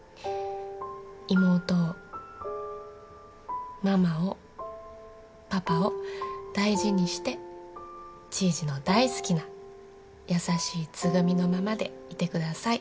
「妹をママをパパを大事にしてじいじの大好きな優しいつぐみのままでいてください」